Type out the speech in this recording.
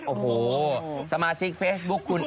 โอ้โหสมาชิกเฟซบุ๊คคุณ